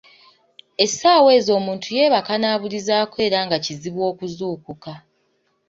Essaawa ezo omuntu yeebaka n'abulizaako era nga kizibu okuzuukuka.